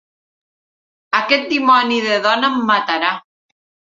Aquest dimoni de dona em matarà!